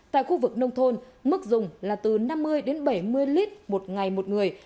tại khu vực nông thôn mức dùng là từ năm mươi đến bảy mươi lít một ngày một người